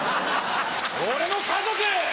俺の家族！